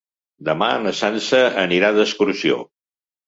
Demà na Sança anirà d'excursió.